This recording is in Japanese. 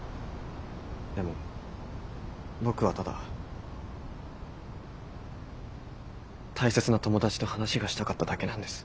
でも僕はただ大切な友達と話がしたかっただけなんです。